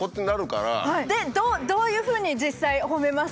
どういうふうに実際ほめますか？